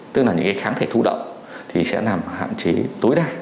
tức là những cái kháng thể thủ động thì sẽ làm hạn chế tối đa